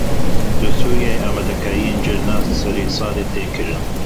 Li Sûriyeyê amadekariyên cejna sersalê tên kirin.